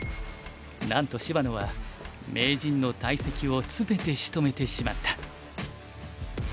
なんと芝野は名人の大石を全てしとめてしまった。